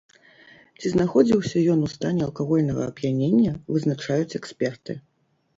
Ці знаходзіўся ён у стане алкагольнага ап'янення, вызначаюць эксперты.